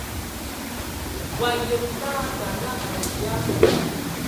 Wa yəm na nana a nə ya?